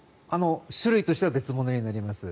種類としては別物になります。